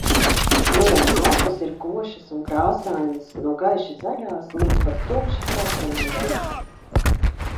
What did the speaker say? Rudens lapas ir košas un krāsainas, no gaiši zaļās līdz pat tumši sarkanajai.